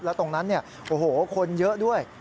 แล้วตรงนั้นเนี่ยโอ้โหคนเยอะด้วย